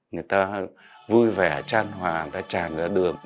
người ta vui vẻ tran hòa tràn đất đường